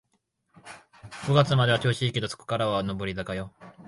五月までは調子いいけど、そこからは下り坂よ